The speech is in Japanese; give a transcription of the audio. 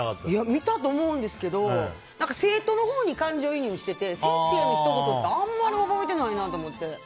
見たと思うんですけど生徒のほうに感情移入してて先生のひと言ってあんまり覚えてないなと思って。